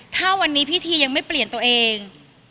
ถ้าวันนี้พิธียังไม่เปลี่ยนตัวเอง